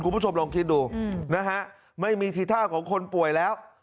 คุณผู้ชมลองคิดดูนะฮะไม่มีทีท่าของคนป่วยแล้ว